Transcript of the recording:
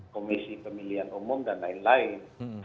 komisi pemilihan umum dan lain lain